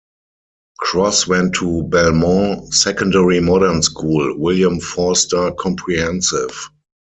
Cross went to Belmont Secondary Modern School, William Forster Comprehensive.